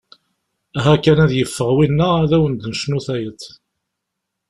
Aha kan ad yeffeɣ winna ad awen-d-necnu tayeḍ.